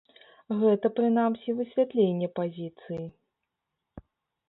Гэта, прынамсі, высвятленне пазіцыі.